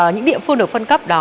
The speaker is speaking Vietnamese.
những địa phương được phân cấp đó